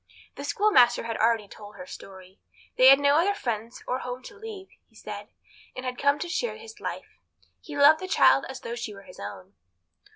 The schoolmaster had already told her story. They had no other friends or home to leave, he said, and had come to share his life. He loved the child as though she were his own.